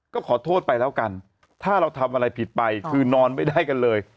ก็ขอโทษไปแล้วกันถ้าเราทำอะไรผิดไปคือนอนไม่ได้กันเลย